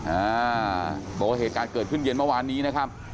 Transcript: อ่าบอกว่าเหตุการณ์เกิดขึ้นเย็นเมื่อวานนี้นะครับ